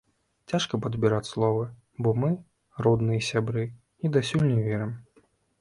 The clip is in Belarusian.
Цяжка падбіраць словы, бо мы, родныя і сябры, і дасюль не верым.